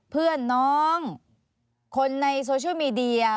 เพื่อนน้องคนในโซเชียลมีเดีย